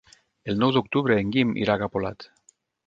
El nou d'octubre en Guim irà a Capolat.